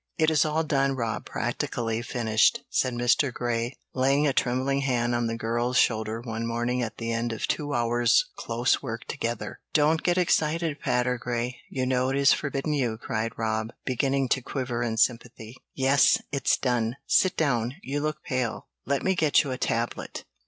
"It is all done, Rob, practically finished," said Mr. Grey, laying a trembling hand on the girl's shoulder one morning at the end of two hours' close work together. "Don't get excited, Patergrey; you know it is forbidden you," cried Rob, beginning to quiver in sympathy. "Yes, it's done. Sit down; you look pale let me get you a tablet."